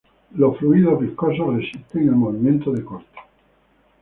Los fluidos viscosos resisten el movimiento de corte.